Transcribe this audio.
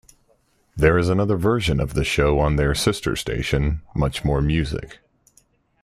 There is another version of the show on their sister station, MuchMoreMusic.